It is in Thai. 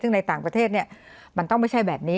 ซึ่งในต่างประเทศมันต้องไม่ใช่แบบนี้